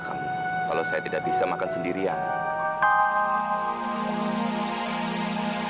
kamu mau berangkat kerja ya